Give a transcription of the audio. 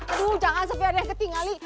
aduh jangan sepi ada yang ketingali